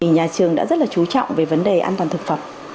nhà trường đã rất là chú trọng về vấn đề an toàn thực phẩm